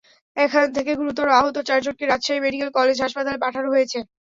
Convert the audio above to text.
এখান থেকে গুরুতর আহত চারজনকে রাজশাহী মেডিকেল কলেজ হাসপাতালে পাঠানো হয়েছে।